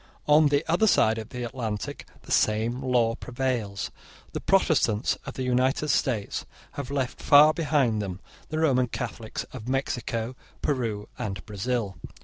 On the other side of the Atlantic the same law prevails. The Protestants of the United States have left far behind them the Roman Catholics of Mexico, Peru, and Brazil.